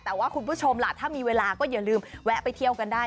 แต่ว่าคุณผู้ชมล่ะถ้ามีเวลาก็อย่าลืมแวะไปเที่ยวกันได้